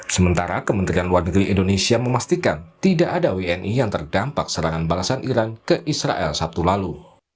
sementara kementerian luar negeri indonesia memastikan tidak ada wni yang terdampak serangan balasan iran ke israel sabtu lalu